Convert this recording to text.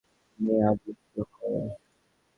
মেয়ার,- নিচু হও।